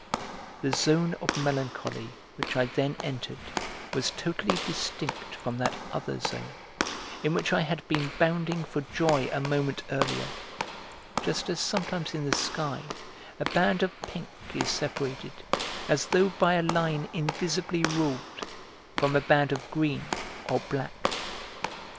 The zone of melancholy which I then entered was totally distinct from that other zone, in which I had been bounding for joy a moment earlier, just as sometimes in the sky a band of pink is separated, as though by a line invisibly ruled, from a band of green or black.